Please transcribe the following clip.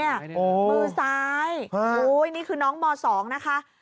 มือซ้ายนี่คือน้องม๒นะคะ